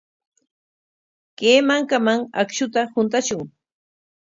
Kay mankaman akshuta huntashun.